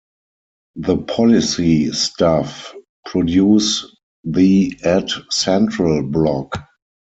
The policy staff produce the EdCentral blog.